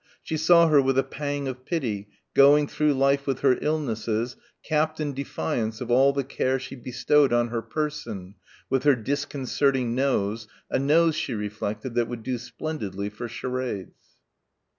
She saw her with a pang of pity, going through life with her illnesses, capped in defiance of all the care she bestowed on her person, with her disconcerting nose, a nose she reflected, that would do splendidly for charades.